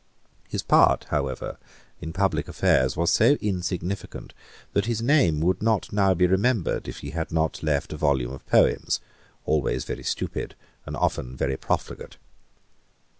His part, however, in public affairs was so insignificant that his name would not now be remembered, if he had not left a volume of poems, always very stupid and often very profligate.